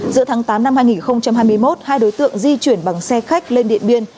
giữa tháng tám năm hai nghìn hai mươi một hai đối tượng di chuyển bằng xe khách lên điện biên